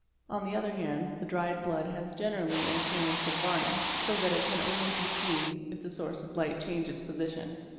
On the other hand the dried blood has generally an appearance of varnish so _ that it can only be seen if the source of light changes position.